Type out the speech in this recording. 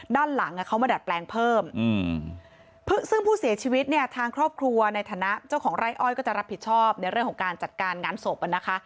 ด้านหลังเขามาดัดแปลงเพิ่มซึ่งผู้เสียชีวิตเนี่ยทางครอบครัวในฐานะเจ้าของไร่อ้อยก็จะรับผิดชอบในเรื่องของการจัดการงานศพอ่ะนะคะ